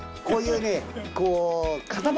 こういうね塊。